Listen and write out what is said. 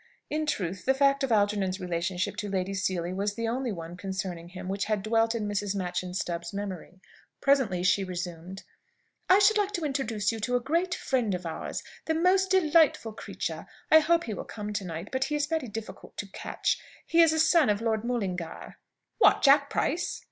In truth, the fact of Algernon's relationship to Lady Seely was the only one concerning him which had dwelt in Mrs. Machyn Stubbs's memory. Presently she resumed: "I should like to introduce you to a great friend of ours the most delightful creature! I hope he will come to night, but he is very difficult to catch. He is a son of Lord Mullingar." "What, Jack Price?"